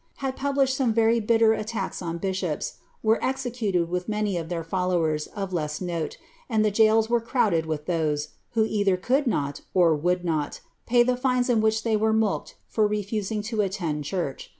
had published some very bitter attacks on bishops, were executed mih many of their followers of leas uoie, and the gaols were crowded wiiti those, who either couid not, or would nol, pay the lines in which tlity were mulcted for refusing lo atlend church.